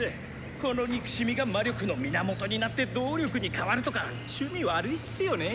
この憎しみが魔力の源になって動力に変わるとかシュミ悪いっスよね。